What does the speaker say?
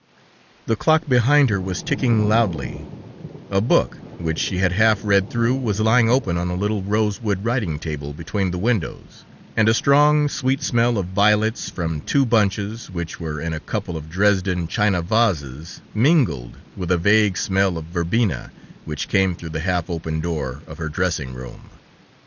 The clock behind her was ticking loudly, a book which she had half read through was lying open on a little rosewood writing table between the windows, and a strong, sweet smell of violets from two bunches which were in a couple of Dresden china vases, mingled with a vague smell of verbena which came through the half open door of her dressing room.